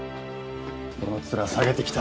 どの面下げてきた！？